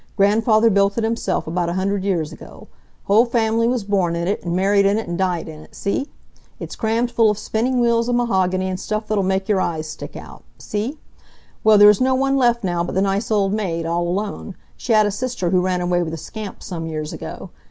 Grandfather built it himself about a hundred years ago. Whole family was born in it, and married in it, and died in it, see? It's crammed full of spinning wheels and mahogany and stuff that'll make your eyes stick out. See? Well, there's no one left now but the nice old maid, all alone. She had a sister who ran away with a scamp some years ago.